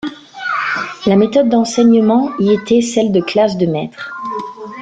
La méthode d'enseignement y était celle de classe de maître.